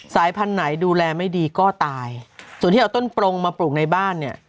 สายพันธุ์ไหนดูแลไม่ดีก็ตายส่วนที่เอาต้นปรงมาปลูกในบ้านเนี่ย